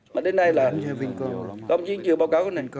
mà đến nay là không chí chịu báo cáo lên